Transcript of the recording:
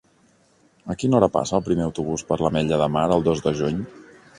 A quina hora passa el primer autobús per l'Ametlla de Mar el dos de juny?